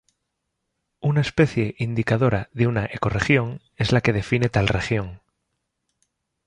Una especie indicadora de una ecorregión es la que define a tal región.